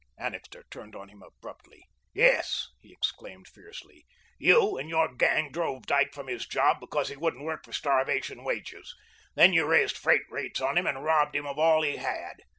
Annixter turned on him abruptly. "Yes!" he exclaimed fiercely. "You and your gang drove Dyke from his job because he wouldn't work for starvation wages. Then you raised freight rates on him and robbed him of all he had.